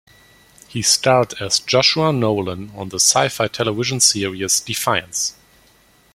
He starred as Joshua Nolan on the Syfy television series "Defiance".